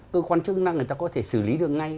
cơ quan chức năng người ta có thể xử lý được ngay